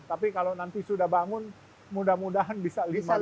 tapi kalau nanti sudah bangun mudah mudahan bisa lima tahun